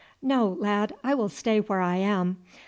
"No, lad; I will stay where I am.